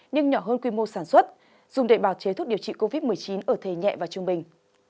nhưng nhỏ hơn quy mô sản xuất dùng để bào chế thuốc điều trị covid một mươi chín ở thể nhẹ và trung bình